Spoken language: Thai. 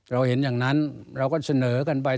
เราเห็นอย่างนั้นเราก็เสนอกันไป